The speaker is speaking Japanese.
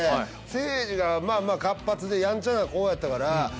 せいじが活発でやんちゃな子やったから。